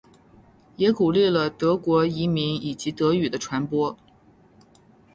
也鼓励了德国移民以及德语的传播。